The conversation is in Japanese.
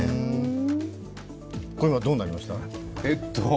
これ、今、どうなりました？